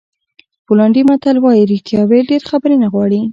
پولنډي متل وایي رښتیا ویل ډېرې خبرې نه غواړي.